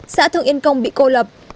xã thượng yên công bị cô lập